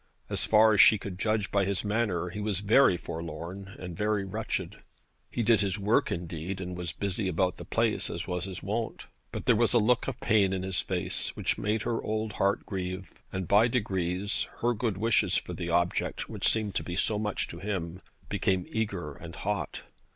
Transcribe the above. As far as she could judge by his manner he was very forlorn and very wretched. He did his work indeed, and was busy about the place, as was his wont. But there was a look of pain in his face, which made her old heart grieve, and by degrees her good wishes for the object, which seemed to be so much to him, became eager and hot.